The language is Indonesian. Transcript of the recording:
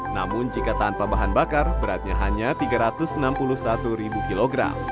namun jika tanpa bahan bakar beratnya hanya tiga ratus enam puluh satu kg